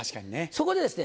そこでですね